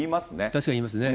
確かに言いますね。